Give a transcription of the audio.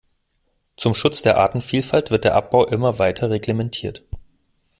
Zum Schutz der Artenvielfalt wird der Abbau immer weiter reglementiert.